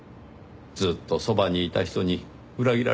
ずっとそばにいた人に裏切られたというのに。